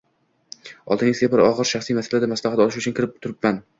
— Oldingizga bir og’ir shaxsiy masalada maslahat olish uchun kirib turibman.